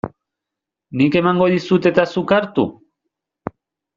Nik emango dizut eta zuk hartu?